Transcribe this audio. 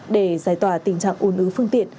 để giải tỏa tình trạng ồn ứ phương tiện